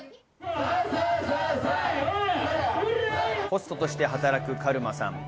ホストとして働くカルマさん。